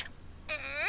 うん。